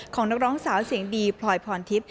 นักร้องสาวเสียงดีพลอยพรทิพย